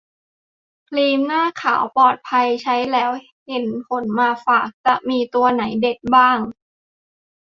ครีมหน้าขาว ปลอดภัย ใช้แล้วเห็นผลมาฝาก จะมีตัวไหนเด็ดบ้าง